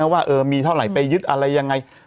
ว่ามีเท่าไหร่ไปยึดอะไรยังไง